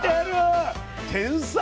天才！